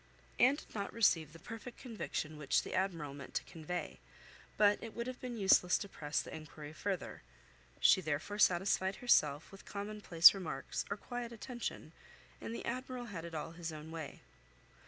Anne did not receive the perfect conviction which the Admiral meant to convey, but it would have been useless to press the enquiry farther. She therefore satisfied herself with common place remarks or quiet attention, and the Admiral had it all his own way.